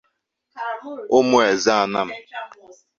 Ụmụeze Anam